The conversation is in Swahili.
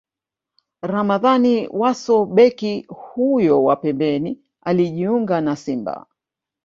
Ramadhani Wasso Beki huyo wa pembeni alijiunga na Simba